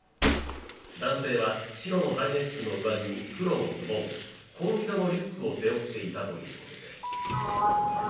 男性は白のハイネックの上着に黒のズボン紺色のリュックを背負っていたということです。